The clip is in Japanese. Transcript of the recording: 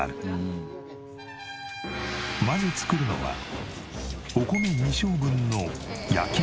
まず作るのはお米２升分の焼き飯。